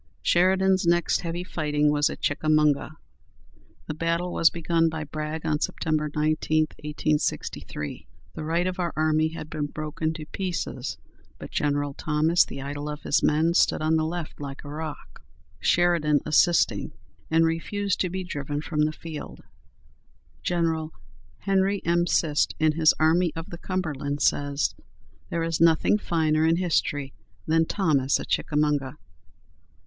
Sheridan's next heavy fighting was at Chickamauga. The battle was begun by Bragg on Sept. 19, 1863. The right of our army had been broken to pieces, but General Thomas, the idol of his men, stood on the left like a rock, Sheridan assisting, and refused to be driven from the field. General Henry M. Cist, in his "Army of the Cumberland" says, "There is nothing finer in history than Thomas at Chickamauga."